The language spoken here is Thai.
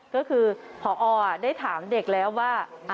ก็คือพอได้ถามเด็กแล้วว่า